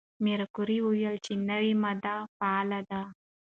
ماري کوري وویل چې نوې ماده فعاله ده.